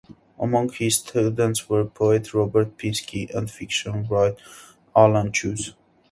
Among his students were poet Robert Pinsky and fiction writer Alan Cheuse.